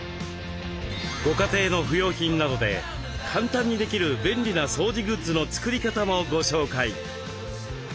ご家庭の不用品などで簡単にできる便利な掃除グッズの作り方もご紹介。